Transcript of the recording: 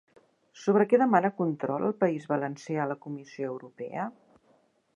Sobre què demana control el País Valencià a la Comissió Europea?